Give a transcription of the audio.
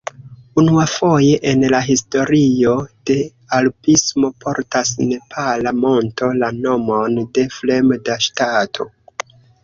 Unuafoje en la historio de alpismo portas nepala monto la nomon de fremda ŝtato.